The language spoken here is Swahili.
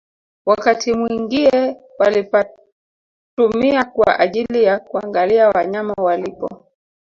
Wakati mwingie walipatumia kwa ajili ya kuangalia wanyama walipo